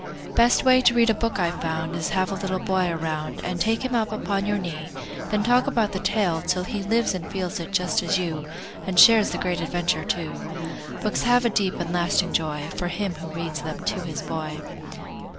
Best way to read a book I've found Is have a little boy around And take him up upon your knee; Then talk about the tale, till he Lives it and feels it, just as you, And shares the great adventure, too. Books have a deep and lasting joy For him who reads them to his boy.